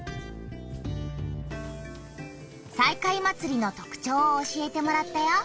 西海祭りのとくちょうを教えてもらったよ。